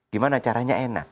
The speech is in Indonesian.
gimana caranya enak